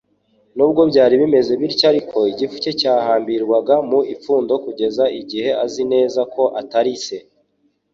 Nubwo byari bimeze bityo ariko, igifu cye cyahambirwaga mu ipfundo kugeza igihe azi neza ko atari se.